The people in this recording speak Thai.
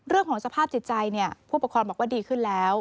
เรื่องของสภาพจิตใจพูดปลอคคลบอกดีขึ้นแล้ว